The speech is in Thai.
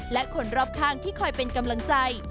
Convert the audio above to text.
และคนรอบข้างที่คอยเป็นกำลังใจ